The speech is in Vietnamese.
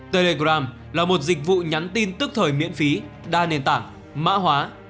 telegram là một dịch vụ nhắn tin tức thời miễn phí đa nền tảng mã hóa